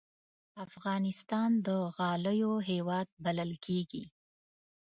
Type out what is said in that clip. افغانستان د غالیو هېواد بلل کېږي.